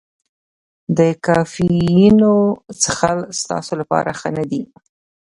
د کافینو څښل ستاسو لپاره ښه نه دي.